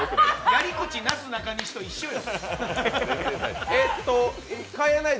やり口、なすなかにしと一緒や。